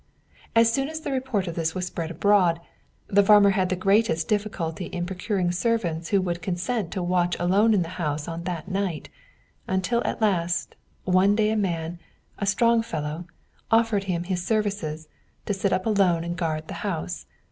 As soon as the report of this was spread abroad, the farmer had the greatest difficulty in procuring servants who would consent to watch alone in the house on that night; until at last, one day a man, a strong fellow, offered him his services, to sit up alone and guard the house.